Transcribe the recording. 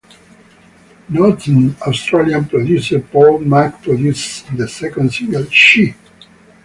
Noted Australian producer Paul Mac produced the second single "She".